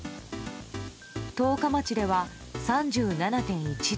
十日町では、３７．１度。